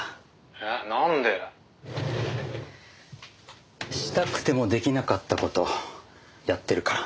「えっなんで？」したくても出来なかった事やってるから。